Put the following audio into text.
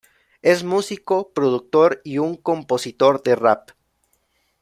Es músico, productor y un compositor de rap.